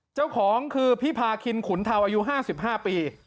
เจ้าของคือพี่พาคินขุนเทาอายุห้าสิบห้าปี